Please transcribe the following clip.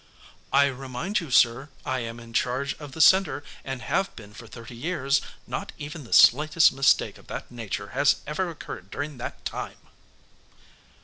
"I remind you, sir, I am in charge of the Center and have been for thirty years. Not even the slightest mistake of that nature has ever occurred during that time!"